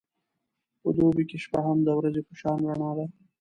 په دوبی کې شپه هم د ورځې په شان رڼا ده.